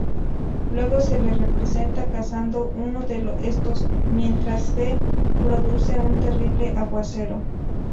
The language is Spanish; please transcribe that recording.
Luego se le representa cazando uno de estos mientras se produce un terrible aguacero.